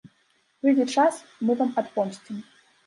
Прыйдзе час, мы вам адпомсцім.